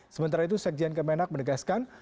sementara itu sekjen kemenak menegaskan